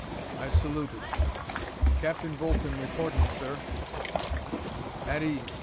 I saluted. "Captain Bolton reporting, sir." "At ease!"